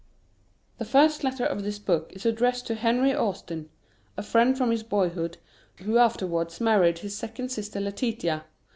The first letter of this book is addressed to Henry Austin, a friend from his boyhood, who afterwards married his second sister Letitia.